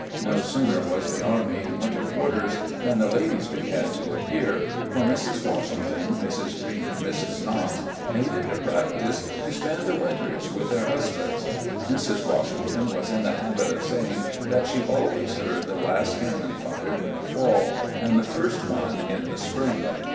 No sooner was the army in winter quarters than the ladies began to appear, for Mrs. Washington, Mrs. Greene, and Mrs. Knox made it a practice to spend the winters with their husbands. Mrs. Washington was in the habit of saying that she always heard the last cannon fired in the fall and the first one in the spring.